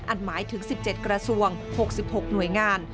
หมายถึง๑๗กระทรวง๖๖หน่วยงาน